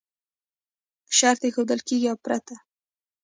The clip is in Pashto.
شرط ایښودل کېږي او پرته یې